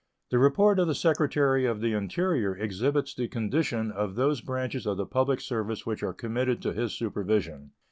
The report of the Secretary of the Interior exhibits the condition of those branches of the public service which are committed to his supervision.